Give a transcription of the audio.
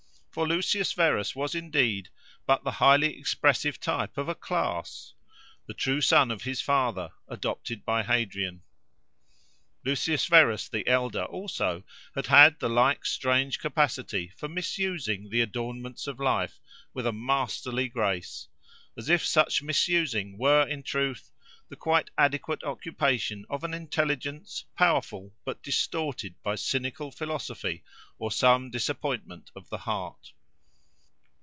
For Lucius Verus was, indeed, but the highly expressive type of a class,—the true son of his father, adopted by Hadrian. Lucius Verus the elder, also, had had the like strange capacity for misusing the adornments of life, with a masterly grace; as if such misusing were, in truth, the quite adequate occupation of an intelligence, powerful, but distorted by cynical philosophy or some disappointment of the heart.